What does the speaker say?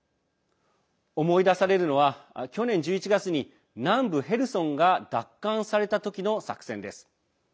思い出されるのは、去年１１月に南部ヘルソンが奪還された時の作戦です。